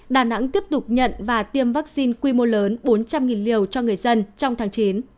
đà nẵng tiếp tục nhận và tiêm vaccine quy mô lớn bốn trăm linh liều cho người dân trong tháng chín